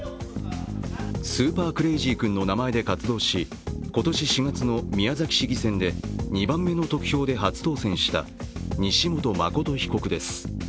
スーパークレイジー君の名前で活動し、今年４月の宮崎市議選で２番目の得票で初当選した西本誠被告です。